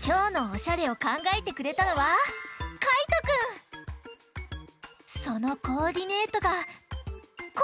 きょうのおしゃれをかんがえてくれたのはそのコーディネートがこちら！